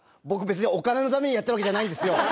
僕別にお金のためにやってるわけじゃないんですよ。